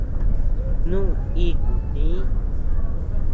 Snú íʼku tï.